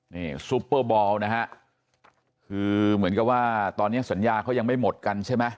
นี่ซุปเปอร์บอลนะฮะคือเหมือนกับว่าตอนนี้สัญญาเขายังไม่หมดกันใช่ไหม